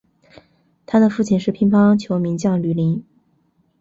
他的父亲是乒乓球名将吕林。